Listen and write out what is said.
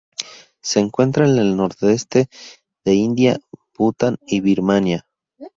Se encuentra en el nordeste de India, Bután y Birmania.